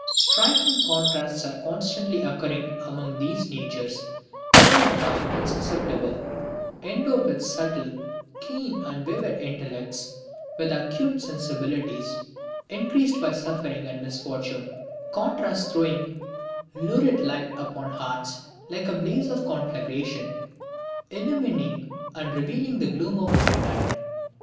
Striking contrasts are constantly occurring among these natures so mobile and susceptible, endowed with subtle, keen and vivid intellects, with acute sensibilities increased by suffering and misfortune; contrasts throwing lurid light upon hearts, like the blaze of a conflagration illumining and revealing the gloom of midnight.